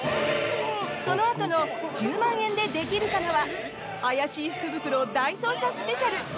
そのあとの「１０万円でできるかな」は怪しい福袋大捜査スペシャル。